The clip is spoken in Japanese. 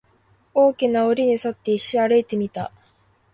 大きな柵に沿って、一周歩いてみた